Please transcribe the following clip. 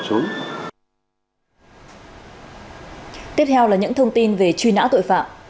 kính mừng quý vị đến với chương trình ash estimations của chúng tôi